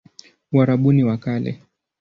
Uarabuni wa Kale